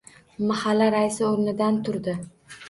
Mahalla raisi o`rnidan turdi